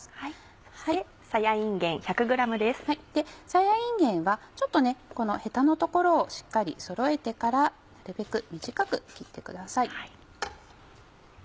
さやいんげんはちょっとこのヘタの所をしっかりそろえてからなるべく短く切ってください。